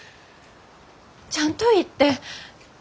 ちゃんと言って。